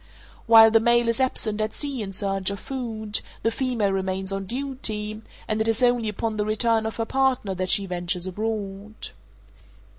While the male is absent at sea in search of food, the female remains on duty, and it is only upon the return of her partner that she ventures abroad.